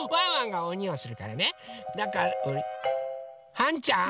はんちゃん？